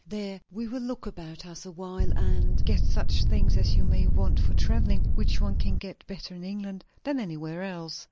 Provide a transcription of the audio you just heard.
There we will look about us a while and get such things as you may want for travelling, which one can get better in England than anywhere else.